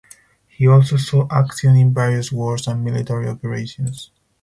He also saw action in various wars and military operations.